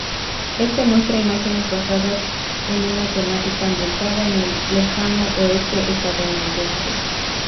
Éste muestra imágenes basadas en una temática ambientada en el lejano oeste estadounidense.